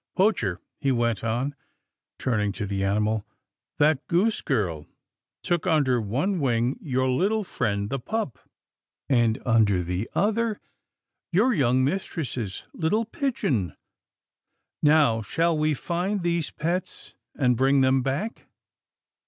Poacher," he went on, turning to the animal, " that goose girl took under one wing your little friend the pup, and under the other, your young mistress's little pigeon — Now shall we find these pets and bring them back?